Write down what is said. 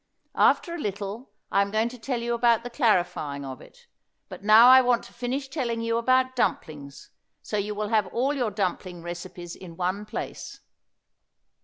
After a little, I am going to tell you about the clarifying of it, but now I want to finish telling you about dumplings, so you will have all your dumpling recipes in one place.